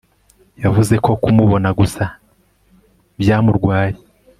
Yavuze ko kumubona gusa byamurwaye